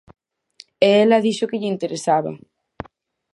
E ela dixo que lle interesaba.